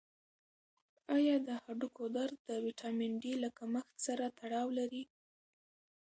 آیا د هډوکو درد د ویټامین ډي له کمښت سره تړاو لري؟